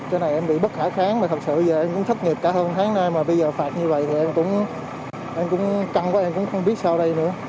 trên này em bị bất khả kháng mà thật sự giờ em cũng thất nghiệp cả hơn tháng nay mà bây giờ phạt như vậy thì em cũng căng quá em cũng không biết sao đây nữa